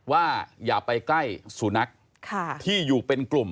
อย่าไปใกล้สุนัขที่อยู่เป็นกลุ่ม